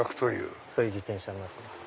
そういう自転車になってます。